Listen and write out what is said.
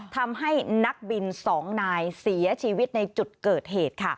ทำให้นักบิน๒นายเสียชีวิตในจุดเกิดเหตุ